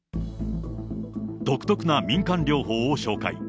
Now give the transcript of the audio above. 独特な民間療法を紹介。